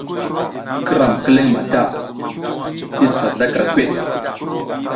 Ki ram kileƞ mata isa zlaka gweʼe.